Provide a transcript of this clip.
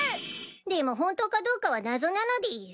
でも本当かどうかは謎なのでぃす。